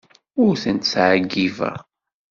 Ur ten-ttɛeyyibeɣ.